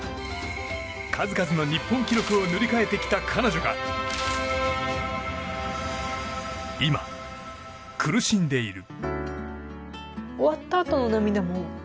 数々の日本記録を塗り替えてきた彼女が今、苦しんでいる。